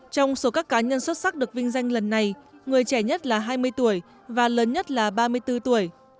trong số các cá nhân xuất sắc được vinh danh lần này người trẻ nhất là hai mươi tuổi và lớn nhất là ba mươi bốn tuổi